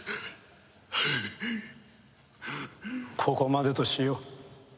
ここまでとしよう。